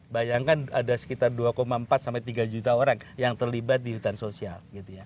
bayangkan ada sekitar dua empat sampai tiga juta orang yang terlibat di hutan sosial